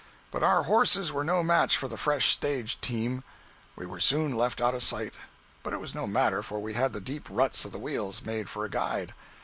But our horses were no match for the fresh stage team. We were soon left out of sight; but it was no matter, for we had the deep ruts the wheels made for a guide.